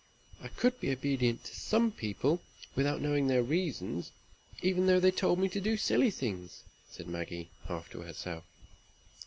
"I could be obedient to some people, without knowing their reasons, even though they told me to do silly things," said Maggie, half to herself.